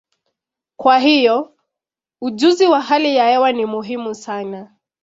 Kwa hiyo, ujuzi wa hali ya hewa ni muhimu sana.